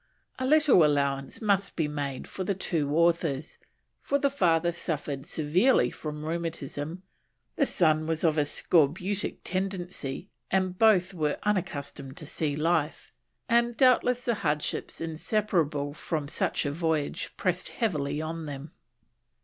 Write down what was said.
A little allowance must be made for the two authors, for the father suffered severely from rheumatism, the son was of a scorbutic tendency, and both were unaccustomed to sea life, and doubtless the hardships inseparable from such a voyage pressed heavily upon them.